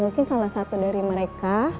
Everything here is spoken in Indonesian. mungkin salah satu dari mereka